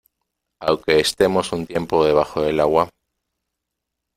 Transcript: aunque estemos un tiempo debajo del agua ,